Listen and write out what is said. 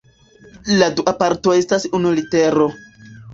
La dua parto estas unu litero.